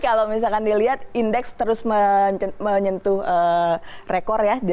kalau misalkan dilihat indeks terus menyentuh rekor ya